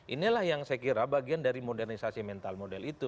inilah yang saya kira bagian dari modernisasi mental model itu